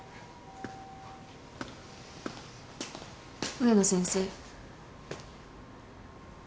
植野先生。